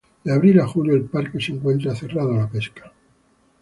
De abril a julio el parque se encuentra cerrado a la pesca.